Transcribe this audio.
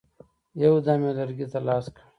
یو دم یې لرګي ته لاس کړ.